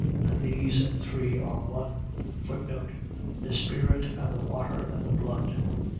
And these three are one. The spirit, and the water, and the blood.